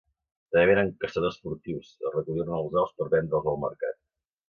També venen caçadors furtius, a recollir-ne els ous per vendre'ls al mercat.